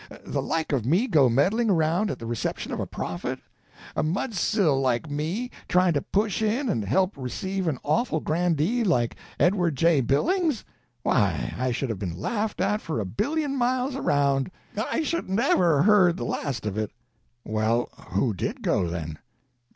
The like of me go meddling around at the reception of a prophet? A mudsill like me trying to push in and help receive an awful grandee like Edward J. Billings? Why, I should have been laughed at for a billion miles around. I shouldn't ever heard the last of it." "Well, who did go, then?"